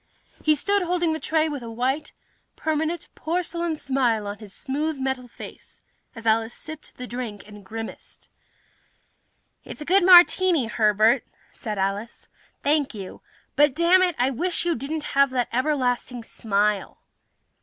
He stood holding the tray, a white, permanent porcelain smile on his smooth metal face, as Alice sipped the drink and grimaced. "It's a good martini, Herbert," said Alice. "Thank you. But, dammit, I wish you didn't have that everlasting smile!"